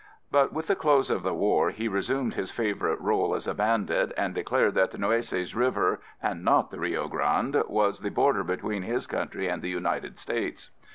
But with the close of the war, he resumed his favorite role as a bandit and declared that the Nueces River and not the Rio Grande, was the border between his country and the United States.